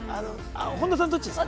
本田さん、どっちですか？